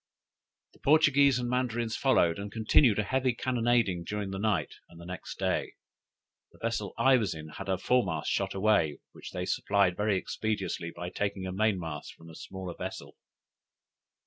The Portuguese and Mandarins followed, and continued a heavy cannonading during that night and the next day. The vessel I was in had her foremast shot away, which they supplied very expeditiously by taking a mainmast from a smaller vessel.